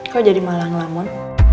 kok jadi malah ngelamun